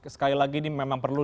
sekali lagi ini memang perlu